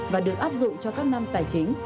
và được áp dụng cho các năm tài chính